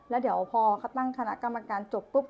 แล้วพอเขาตั้งคณะกรรมการจบกุ๊บ